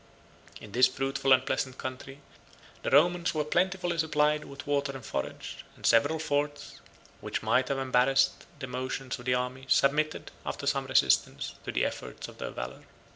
In this fruitful and pleasant country, the Romans were plentifully supplied with water and forage: and several forts, which might have embarrassed the motions of the army, submitted, after some resistance, to the efforts of their valor.